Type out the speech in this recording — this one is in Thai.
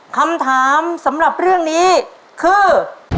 คำถามสำหรับเรื่องนี้คือ